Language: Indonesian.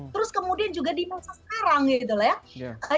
terus kemudian juga di masa sekarang gitu loh ya